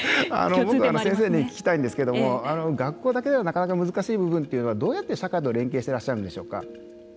聞きたいんですけれども学校だけではなかなか難しい部分はどうやって社会と連携していらっしゃるんでしょうか。